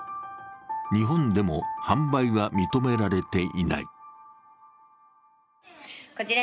日本でも販売は認められていない。